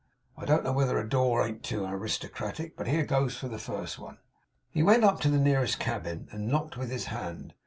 I don't know whether a door ain't too aristocratic; but here goes for the first one!' He went up to the nearest cabin, and knocked with his hand.